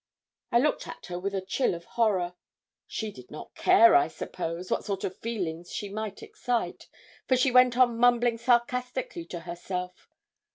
I looked at her with a chill of horror. She did not care, I suppose, what sort of feelings she might excite, for she went on mumbling sarcastically to herself.